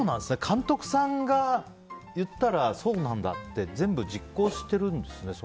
監督さんが言ったらそうなんだって全部、実行してるんですね。